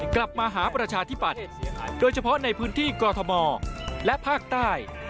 กลับมาหาประชาธิปัตย์โดยเฉพาะในพื้นที่กอทมและภาคใต้